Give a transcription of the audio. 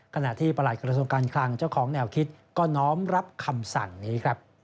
ขณะที่ประหลัดกระทรวงการคลังเจ้าของแนวคิดก็น้อมรับคำสั่งนี้ครับ